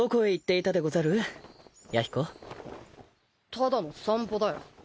ただの散歩だよ。